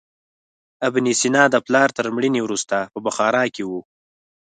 ابن سینا د پلار تر مړینې وروسته په بخارا کې و.